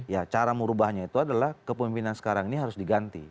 ya cara merubahnya itu adalah kepemimpinan sekarang ini harus diganti